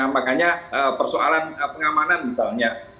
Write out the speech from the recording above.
makanya persoalan pengamanan misalnya